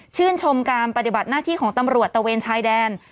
ชมการปฏิบัติหน้าที่ของตำรวจตะเวนชายแดน